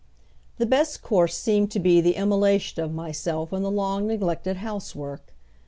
The best course seemed to be the immolation of myself in the long neglected house work.